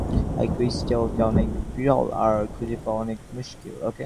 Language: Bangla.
এই ক্রিস্টালটা অনেক বিরল আর খুঁজে পাওয়া অনেক মুশকিল।